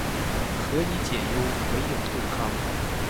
何以解忧，唯有杜康